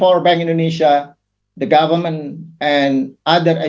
oleh itu bank indonesia pemerintah dan agensi lain